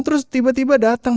terus tiba tiba datang